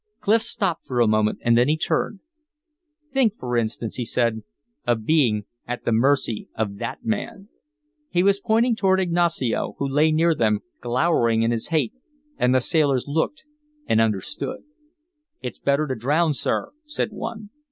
Clif stopped for a moment and then he turned. "Think, for instance," he said, "of being at the mercy of that man." He was pointing toward Ignacio, who lay near them, glowering in his hate, and the sailors looked and understood. "It's better to drown, sir," said one.